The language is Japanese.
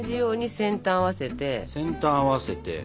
先端合わせて。